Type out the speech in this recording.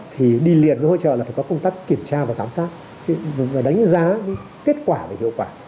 thì đi liền với hỗ trợ là phải có công tác kiểm tra và giám sát và đánh giá kết quả và hiệu quả